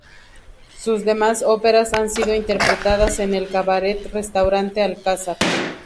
Sus demás óperas han sido interpretadas en el cabaret restaurante Alcázar.